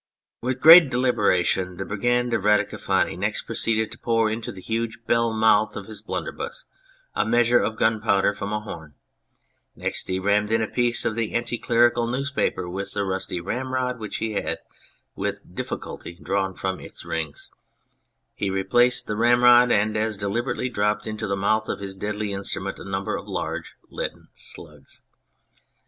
With great deliberation the Brigand of Radico fani next proceeded to pour into the huge bell mouth of his blunderbuss a measure of gunpowder from a horn ; next he rammed in a piece of the anti clerical newspaper with the rusty ramrod which he had with difficulty drawn from its rings ; he replaced the ramrod, and as deliberately dropped into the mouth of his deadly instrument a number of large leaden slugs.